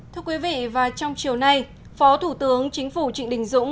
thưa quý vị và trong chiều nay phó thủ tướng chính phủ trịnh đình dũng